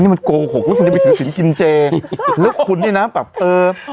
อันนี้มันโกหกว่าคุณจะไปถือศิลป์กินเจฮาวลองคุณนี่น่ะแบบเออ